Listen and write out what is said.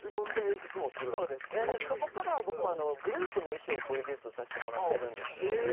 そこからは僕もグループの衣装をプロデュースさせてもらってるんです。